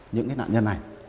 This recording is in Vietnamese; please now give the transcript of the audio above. những cái nạn nhân này